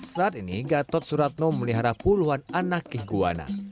saat ini gatot suratno memelihara puluhan anak iguana